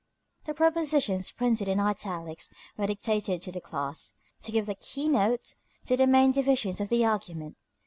The propositions printed in italics were dictated to the class, to give the key note to the main divisions of the argument.